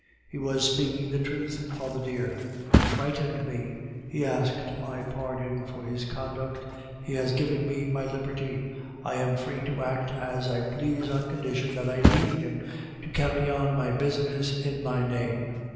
He was speaking the truth, father dear; he frightened me! He asked my pardon for his conduct; he has given me my liberty; I am free to act as I please on condition that I leave him to carry on my business in my name.